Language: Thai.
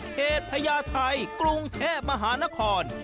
พญาไทยกรุงเทพมหานคร